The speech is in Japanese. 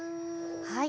はい。